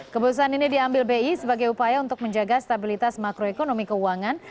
keputusan ini diambil bi sebagai upaya untuk menjaga stabilitas makroekonomi keuangan